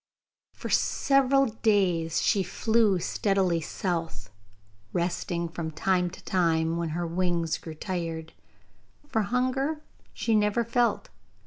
For several days she flew steadily south, resting from time to time when her wings grew tired, for hunger she never felt.